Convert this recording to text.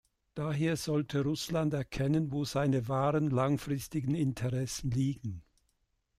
Daher sollte Russland erkennen, wo seine wahren, langfristigen Interessen liegen.